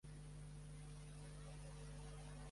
El seminari rep el nom de Mills College.